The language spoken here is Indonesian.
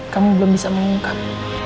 kamu belum bisa mengungkap